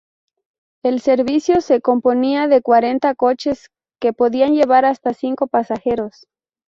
El servicio se componía de cuarenta coches que podían llevar hasta cinco pasajeros.